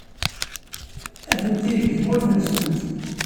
Atenti deg tmurt-nsent.